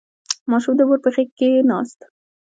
• ماشوم د مور په غېږ کښېناست.